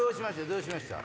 どうしました？